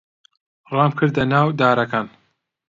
ڕامکردە ناو دارەکان.